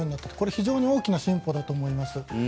非常に大きな進歩だと思います。